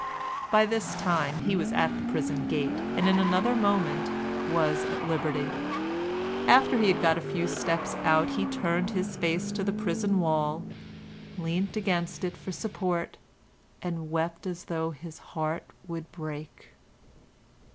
By this time he was at the prison gate, and in another moment was at liberty. After he had got a few steps out he turned his face to the prison wall, leant against it for support, and wept as though his heart would break.